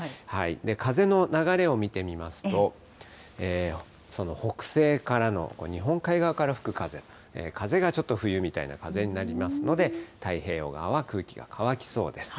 風の流れを見てみますと、北西からの日本海側から吹く風、風がちょっと冬みたいな風になりますので、太平洋側は空気が乾きそうです。